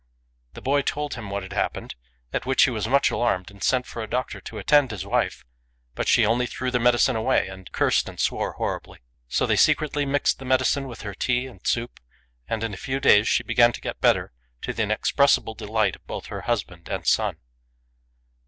The boy told him what had hap pened, at which he was much alarmed, and sent for a doctor to attend his wife ; but she only threw the medi cine away, and cursed and swore horribly. So they secretly mixed the medicine with her tea and soup, and in a few days she began to get better, to the inexpres sible delight of both her husband and son.